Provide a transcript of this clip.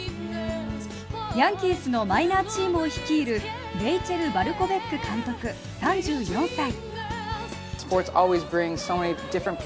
ヤンキースのマイナーチームを率いるレイチェル・バルコベック監督３４歳。